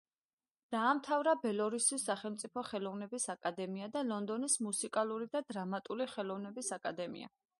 დაამთავრა ბელორუსის სახელმწიფო ხელოვნების აკადემია და ლონდონის მუსიკალური და დრამატული ხელოვნების აკადემია.